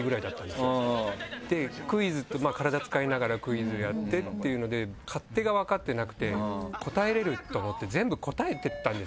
クイズ体使いながらクイズやってっていうので勝手が分かってなくて「答えれる！」と思って。